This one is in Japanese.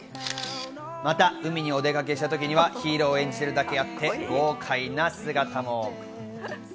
また海にお出かけした時にはヒーローを演じているだけあって、豪快な姿も。